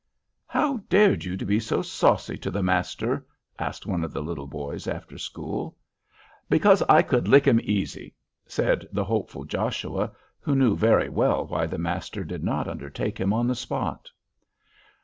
"How dared you be so saucy to the master?" asked one of the little boys, after school. "Because I could lick him, easy," said the hopeful Joshua, who knew very well why the master did not undertake him on the spot.